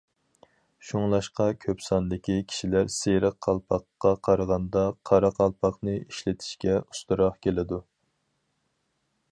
شۇڭلاشقا كۆپ ساندىكى كىشىلەر سېرىق قالپاققا قارىغاندا قارا قالپاقنى ئىشلىتىشكە ئۇستىراق كېلىدۇ.